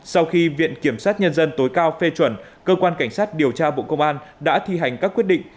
sau khi viện kiểm sát nhân dân tối cao phê chuẩn cơ quan cảnh sát điều tra bộ công an đã thi hành các quyết định